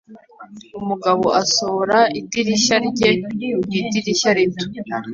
Umugabo asohora idirishya rye mu idirishya rito